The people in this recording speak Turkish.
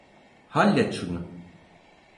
Hallet şunu.